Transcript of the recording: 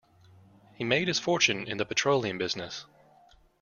He made his fortune in the petroleum business.